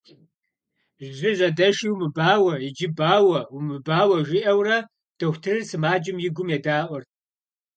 – Жьы жьэдэши умыбауэ! Иджы бауэ! Умыбауэ! - жиӏэурэ дохутырыр сымаджэм и гум едаӏуэрт.